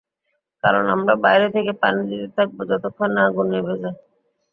কারন আমরা বাইরে থেকে পানি দিতে থাকব যতক্ষণ না আগুন নিভে যায়।